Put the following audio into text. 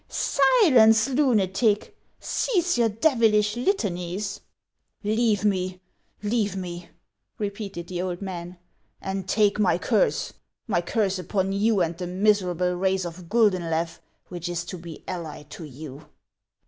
" Silence, lunatic ! Cease your devilish litanies !"" Leave me ! leave me !" repeated the old man ;" and take my curse, my curse upon you and the miserable race of Guldenlew, which is to l)e allied to you